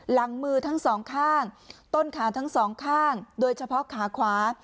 หลังมือทั้งสองข้างต้นขาทั้งสองข้างโดยเฉพาะขาขวา